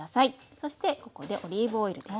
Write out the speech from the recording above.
そしてここでオリーブオイルです。